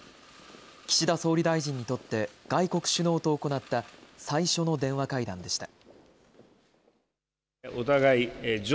岸田総理大臣にとって外国首脳と行った最初の電話会談でした。